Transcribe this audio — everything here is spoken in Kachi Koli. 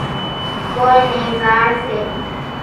ڪونئين نين زاڙ سي۔